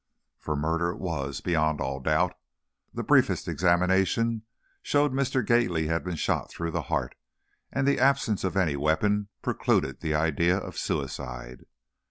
For murder it was, beyond all doubt. The briefest examination showed Mr. Gately had been shot through the heart, and the absence of any weapon precluded the idea of suicide.